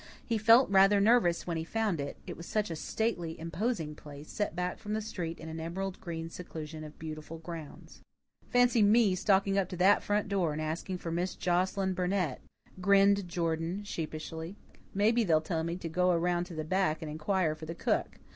He felt rather nervous when he found it, it was such a stately, imposing place, set back from the street in an emerald green seclusion of beautiful grounds. "Fancy me stalking up to that front door and asking for Miss Joscelyn Burnett," grinned Jordan sheepishly. "Mebbe they'll tell me to go around to the back and inquire for the cook.